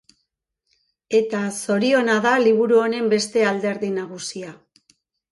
Eta zoriona da liburu honen beste alderdi nagusia.